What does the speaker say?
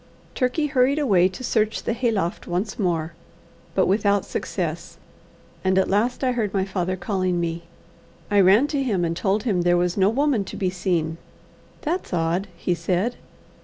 Turkey hurried away to search the hayloft once more, but without success; and at last I heard my father calling me. I ran to him, and told him there was no woman to be seen. "That's odd," he said.